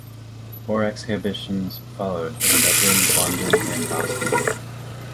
More exhibitions followed in Dublin, London and Boston.